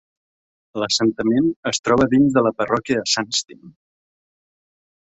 L'assentament es troba dins de la parròquia de Sandsting.